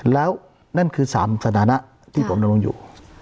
แล้วนั่นคือ๓สถานะที่ผมดำรงอยู่